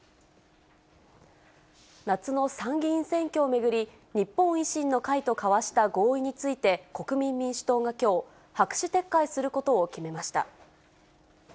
夏の参議院選挙を巡り、日本維新の会と交わした合意について、国民民主党がきょう、白紙撤回することを決めました。